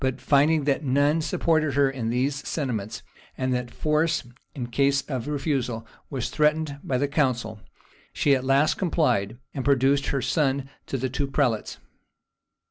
But finding that none supported her in these sentiments, and that force, in case of refusal, was threatened by the council, she at last complied, and produced her son to the two prelates.